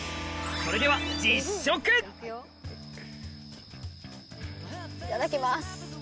それではいただきます。